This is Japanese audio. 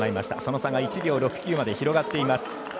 その差が１秒６９まで広がっています。